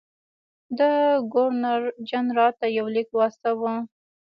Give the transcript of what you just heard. ده ګورنرجنرال ته یو لیک واستاوه.